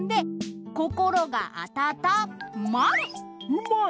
うまい！